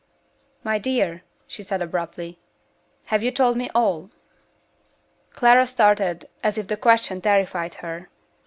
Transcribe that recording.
"My dear," she said abruptly, "have you told me all?" Clara started as if the question terrified her.